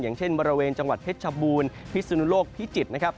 อย่างเช่นบริเวณจังหวัดเพชรชบูรณ์พิสุนุโลกพิจิตรนะครับ